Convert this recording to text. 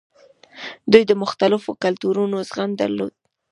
دوی د مختلفو کلتورونو زغم درلود